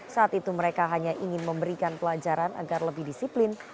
saat itu mereka hanya ingin memberikan pelajaran agar lebih disiplin